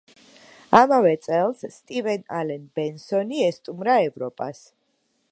ამავე წელს სტივენ ალენ ბენსონი ესტუმრა ევროპას.